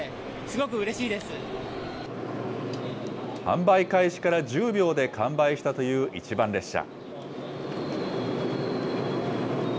販売開始から１０秒で完売したという１番列車。